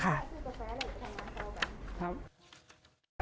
กาแฟอะไรอยู่ข้างล่างต่อ